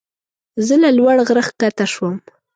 زه له لوړ غره ښکته شوم.